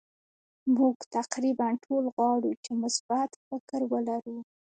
مونږ تقریبا ټول غواړو چې مثبت فکر ولرو.